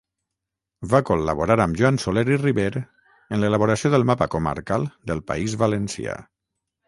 Va col·laborar amb Joan Soler i Riber en l'elaboració del mapa comarcal del País Valencià.